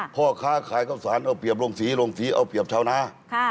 พ่อค้าขายข้าวสารเอาเปรียบลงสีลงสีเอาเปรียบชาวนา